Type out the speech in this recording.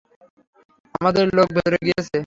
আমাদের লোক ভেতরে গিয়েছে?